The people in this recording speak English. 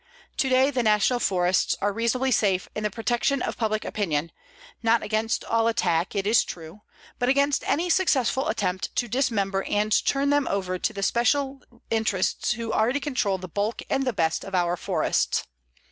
To day the National Forests are reasonably safe in the protection of public opinion, not against all attack, it is true, but against any successful attempt to dismember and turn them over to the special interests who already control the bulk and the best of our forests.